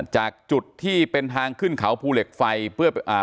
จากจุดที่เป็นทางขึ้นเขาภูเหล็กไฟเพื่ออ่า